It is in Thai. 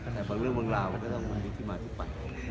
แต่บางเรื่องเมืองราวมันก็ต้องมีที่มาทุกปัน